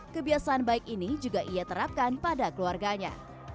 kebiasaan baik ini juga ia terapkan pada keluarganya